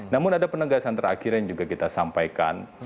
namun ada penegasan terakhir yang juga kita sampaikan